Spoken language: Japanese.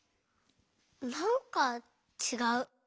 なんかちがう。